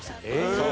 そう。